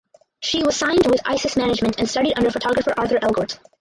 She was signed with Isis Management and studied under photographer Arthur Elgort.